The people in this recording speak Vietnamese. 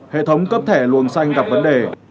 hệ thống cấp thẻ luồng xanh gặp vấn đề